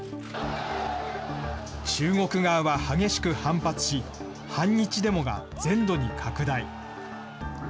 中国側は激しく反発し、反日デモが全土に拡大。